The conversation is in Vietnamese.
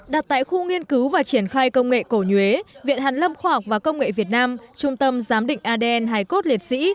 đặt tại khu nghiên cứu và triển khai công nghệ cổ nhuế viện hàn lâm khoa học và công nghệ việt nam trung tâm giám định adn hai cốt liệt sĩ